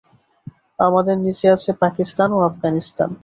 আমাদের নিচে আছে পাকিস্তান ও আফগানিস্তান।